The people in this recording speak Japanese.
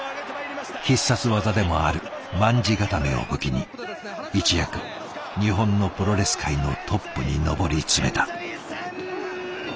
必殺技でもある卍固めを武器に一躍日本のプロレス界のトップに上り詰めた。